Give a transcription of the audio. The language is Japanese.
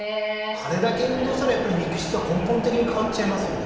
あれだけ運動したらやっぱり肉質は根本的に変わっちゃいますよね